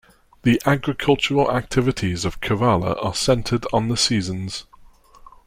The agricultural activities of Kerala are centred on the seasons.